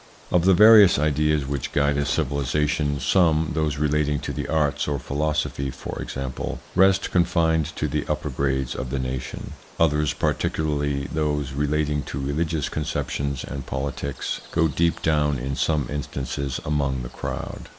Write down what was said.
Of the various ideas which guide a civilisation, some, those relating to the arts or philosophy for example, rest confined to the upper grades of the nation ; others, particularly those relating to religious conceptions and politics, go deep down in some instances among the crowd.